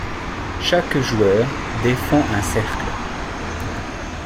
Chaque joueur défend un cercle.